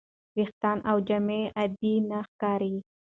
ویښتان او جامې عادي نه ښکاري.